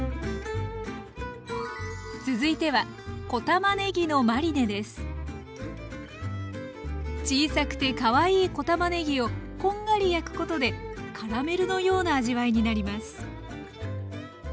続いては小さくてかわいい小たまねぎをこんがり焼くことでカラメルのような味わいになります。